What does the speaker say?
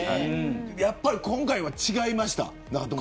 やっぱり今回は違いましたか。